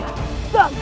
kaki kaki dia terjadi